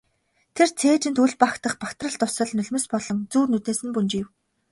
Тэр цээжинд үл багтах багтрал дусал нулимс болон зүүн нүднээс нь бөнжийв.